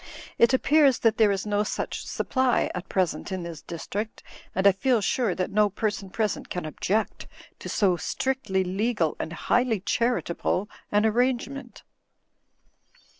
It appears that there is no such supply at present in this district, and I feel sure that no person present can object to so strictiy legal and highly charitable an arrangement."